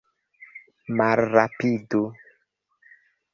Malrapidu!